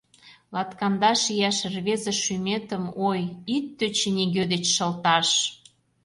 Латкандаш ияш рвезе шӱметым Ой, ит тӧчӧ нигӧ деч шылташ.